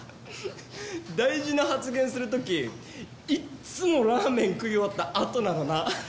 大事な発言する時いっつもラーメン食い終わった後なのな。